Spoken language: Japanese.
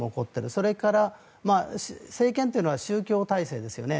それから政権というのは宗教体制ですよね。